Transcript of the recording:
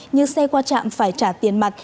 như xe qua chạm phải trả tiền mặt